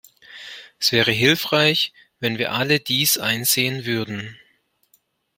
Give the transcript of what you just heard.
Es wäre hilfreich, wenn wir alle dies einsehen würden.